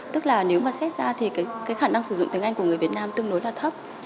tức là nếu mà xét ra thì cái khả năng sử dụng tiếng anh của người việt nam tương đối là thấp